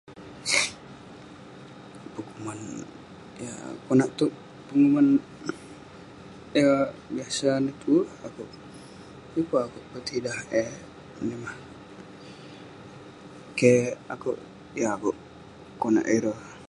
penguman yah konak towk penguman yah biasa ineh tuwerk akouk, Yeng pun akouk petidah eh menimah.keh akouk, yeng akouk konak ireh.